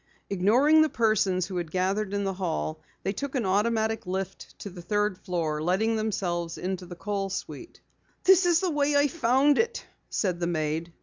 Ignoring the persons who had gathered in the hall, they took an automatic lift to the third floor, letting themselves into the Kohl suite. "This is the way I found it," said the maid.